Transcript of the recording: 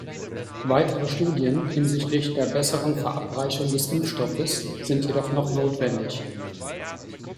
Weitere Studien hinsichtlich der besseren Verabreichung des Impfstoffes sind jedoch noch notwendig.